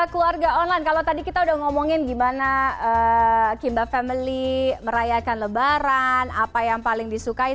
keluarga online kalau tadi kita udah ngomongin gimana kimba family merayakan lebaran apa yang paling disukai